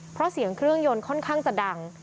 เพราะเสียงเครื่องยนต์ค่อนข้างจะดัง